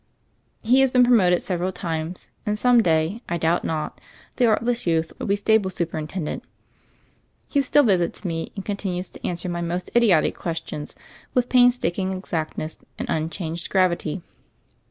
He has been promoted several times, and some day, I doubt not, the artless youth will be stable superintendent. He still visits me, and con tinues to answer my most idiotic questions with painstaking exactness and unchanged gravity.